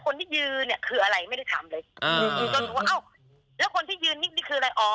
คนที่ยืนเนี้ยคืออะไรไม่ได้ถามเลยอ้าวแล้วคนที่ยืนนี่นี่คืออะไรอ๋อ